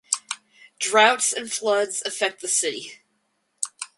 Droughts and floods affect the city.